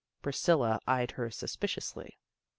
Pris cilla eyed her suspiciously.